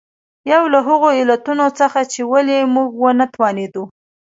یو له هغو علتونو څخه چې ولې موږ ونه توانېدو.